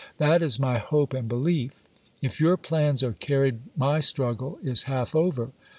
That is my hope and belief. If your plans are carried my struggle is half over.